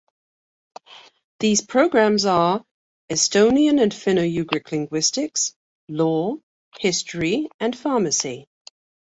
These programmes are: Estonian and Finno-Ugric Linguistics, Law, History and Pharmacy.